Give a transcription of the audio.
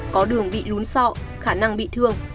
có đường bị lún so khả năng bị thương